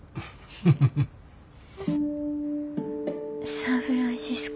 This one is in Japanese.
サンフランシスコ